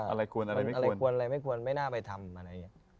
อะไรควรอะไรไม่ควรไม่น่าไปทำ